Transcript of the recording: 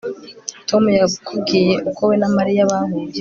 Tom yakubwiye uko we na Mariya bahuye